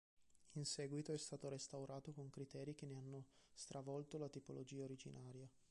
In seguito è stato restaurato con criteri che ne hanno stravolto la tipologia originaria.